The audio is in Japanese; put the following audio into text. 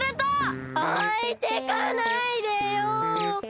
おいてかないでよ！